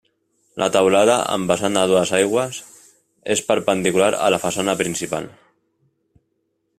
La teulada, amb vessant a dues aigües, és perpendicular a la façana principal.